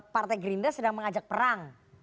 partai gerindra sedang mengajak perang